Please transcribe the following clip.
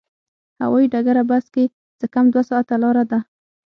هوایي ډګره بس کې څه کم دوه ساعته لاره ده.